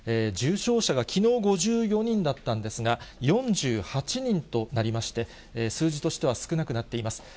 重症者がきのう５４人だったんですが、４８人となりまして、数字としては少なくなっています。